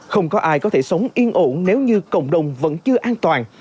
không có ai có thể sống yên ổn nếu như cộng đồng vẫn chưa an toàn